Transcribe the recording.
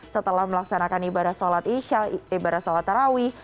setelah melaksanakan ibadah sholat isya ibadah sholat taraweeh